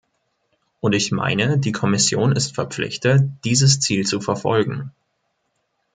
Und ich meine, die Kommission ist verpflichtet, dieses Ziel zu verfolgen.